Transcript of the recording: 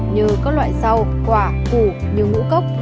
như các loại rau quả củ như ngũ cốc